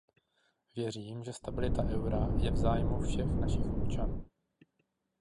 Věřím, že stabilita eura je v zájmu všech našich občanů.